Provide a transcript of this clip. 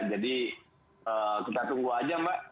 jadi kita tunggu aja mbak